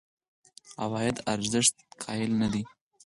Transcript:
عوایدو ارزښت قایل نه دي.